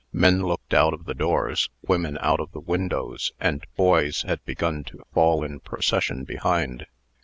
Men looked out of the doors, women out of the windows, and boys had begun to fall in procession behind.